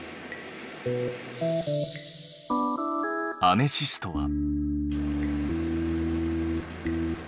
アメシストは。